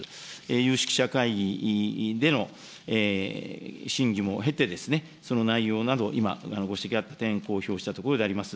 有識者会議での審議も経てですね、その内容など今、ご指摘あった点、公表したところであります。